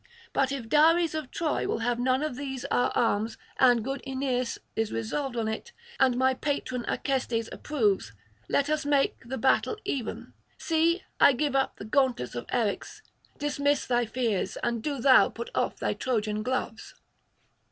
But if Dares of Troy will have none of these our arms, and good Aeneas is resolved on it, and my patron Acestes approves, let us make the battle even. See, I give up the gauntlets of Eryx; dismiss thy fears; and do thou put off thy Trojan gloves.'